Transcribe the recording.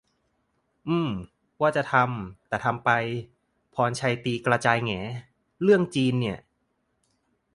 อืม ว่าจะทำ แต่ทำไป พรชัยตีกระจายแหง เรื่องจีนเนี่ย